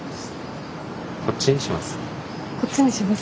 こっちにします？